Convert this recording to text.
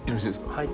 はい。